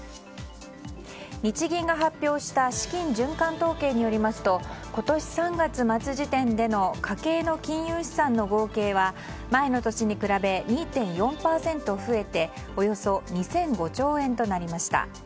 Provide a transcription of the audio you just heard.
日銀が発表した資金循環統計によりますと今年３月末時点での家計の金融資産の合計は前の年に比べ２．４％増えておよそ２００５兆円となりました。